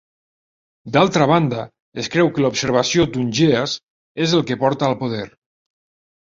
D'altra banda, es creu que l'observació d'un "GEAS" és el que porta al poder.